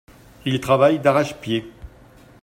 Il travaille d’arrache-pied.